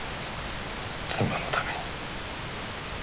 妻のために。